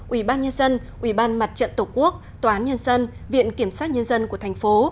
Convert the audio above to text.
ủy ban nhân dân ủy ban mặt trận tổ quốc toán nhân dân viện kiểm soát nhân dân của thành phố